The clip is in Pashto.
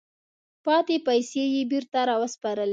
پاتې پیسې یې بیرته را وسپارلې.